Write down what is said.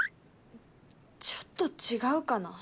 ちょっと違うかな